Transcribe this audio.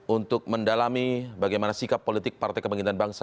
untuk mendalami bagaimana sikap politik partai kebangkitan bangsa